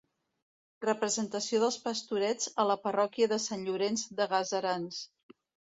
Representació dels Pastorets a la parròquia de Sant Llorenç de Gaserans.